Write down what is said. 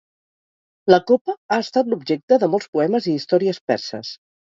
La copa ha estat l'objecte de molts poemes i històries perses.